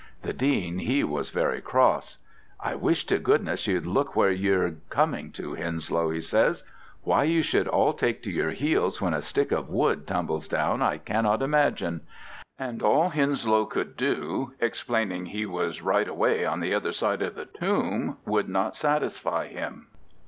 The Dean he was very cross. 'I wish to goodness you'd look where you're coming to, Henslow,' he says. 'Why you should all take to your heels when a stick of wood tumbles down I cannot imagine,' and all Henslow could do, explaining he was right away on the other side of the tomb, would not satisfy him.